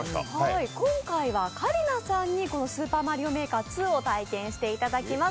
今回は香里奈さんにこの「スーパーマリオメーカー２」を体験していただきます。